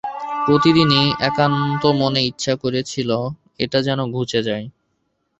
প্রতিদিনই একান্তমনে ইচ্ছে করেছিল এটা যেন ঘুচে যায়।